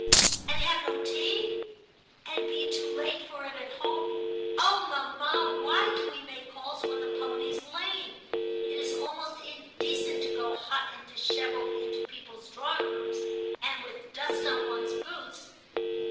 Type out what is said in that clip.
* And have no tea, and be too late for it at home ! Oh, mamma, why do we make calls when the pony's lame? It is almost in decent to go hot and dishevelled into people's drawing rooms, and with dust on one's boots.'